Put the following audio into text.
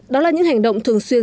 đó là những hành động thường xuyên